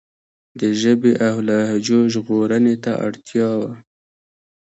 د ژبې او لهجو ژغورنې ته اړتیا وه.